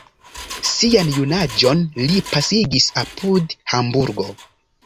Sian junaĝon li pasigis apud Hamburgo.